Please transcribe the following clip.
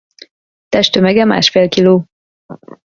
Testtömege másfél kiló.